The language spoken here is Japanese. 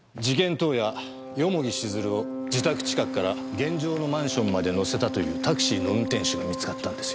当夜蓬城静流を自宅近くから現場のマンションまで乗せたというタクシーの運転手が見つかったんですよ。